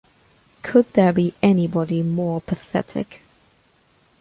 Could there be anybody more pathetic?